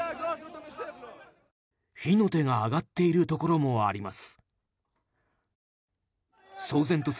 火の手が上がっているところもあります。